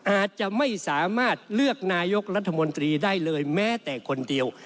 อาจจะไม่สามารถเลือกนายกรัฐมนตรีได้เลยแม้แต่คนเดียว